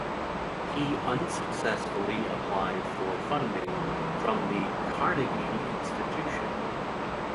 He unsuccessfully applied for funding from the Carnegie Institution.